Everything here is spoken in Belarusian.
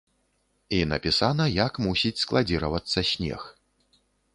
І напісана, як мусіць складзіравацца снег.